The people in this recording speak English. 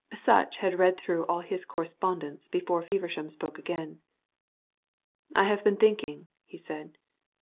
Sutch had read through all of his correspondence before Feversham spoke again. "I have been thinking," he said.